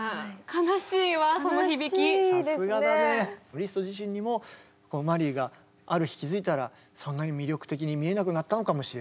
リスト自身にもマリーがある日気付いたらそんなに魅力的に見えなくなったのかもしれないし。